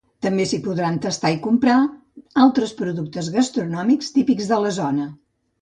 També s’hi podran tastar i comprar altres productes gastronòmics típics de la zona.